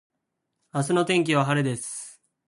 明日の天気は晴れです